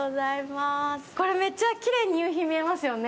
これ、めっちゃきれいに夕日が見えますよね。